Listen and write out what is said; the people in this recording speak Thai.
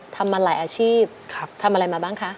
ทำมาหลายอาชีพทำอะไรมาบ้างคะ